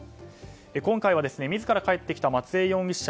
今回は、自ら帰ってきた松江容疑者。